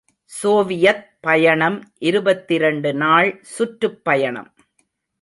● Soviet பயணம் இருபத்திரண்டு நாள் சுற்றுப் பயணம்.